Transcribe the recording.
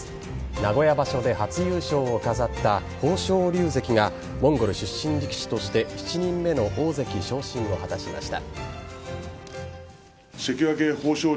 名古屋場所で初優勝を飾った豊昇龍関がモンゴル出身力士として７人目の大関昇進を果たしました。